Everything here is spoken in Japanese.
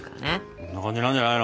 こんな感じなんじゃないの。